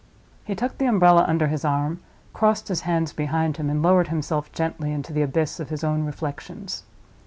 He tucked the umbrella under his arm, crossed his hands behind him, and lowered himself gently into the abyss of his own reflections.